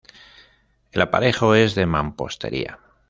El aparejo es de mampostería.